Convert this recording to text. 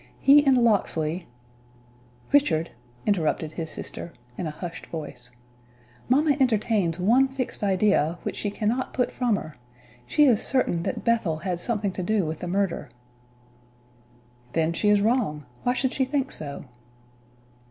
He and Locksley " "Richard," interrupted his sister, in a hushed voice, "mamma entertains one fixed idea, which she cannot put from her. She is certain that Bethel had something to do with the murder." "Then she is wrong. Why should she think so?"